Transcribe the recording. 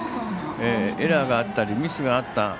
エラーがあったりミスがあった。